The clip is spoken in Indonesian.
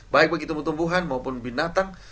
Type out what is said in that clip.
baik bagi tumbuh tumbuhan maupun binatang